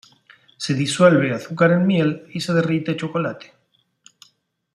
Se disuelve azúcar en miel, y se derrite chocolate.